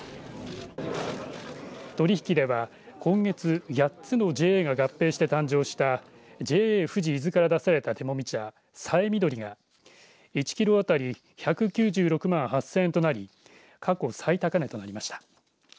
取り引きでは今月、８つのＪＡが合併して誕生したＪＡふじ伊豆から出された手もみ茶、さえみどりが１キロ当たり１９６万８０００円となり過去最高値となりました。